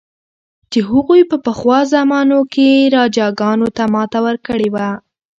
چې هغوی په پخوا زمانو کې راجاګانو ته ماته ورکړې وه.